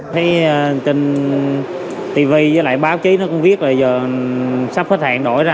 thấy trên tv với lại báo chí nó cũng viết là giờ sắp hết hạn đổi ra